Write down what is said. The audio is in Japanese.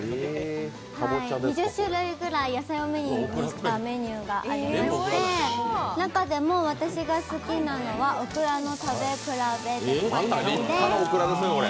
２０種類くらいの野菜をメインにしたメニューがありまして、中でも私が好きなのはオクラの食べ比べ鉄板焼きです。